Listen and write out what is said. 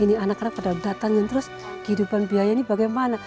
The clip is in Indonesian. ini anak anak pada datangin terus kehidupan biaya ini bagaimana